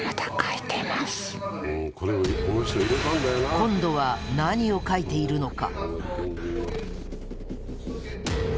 今度は何を書いているのか。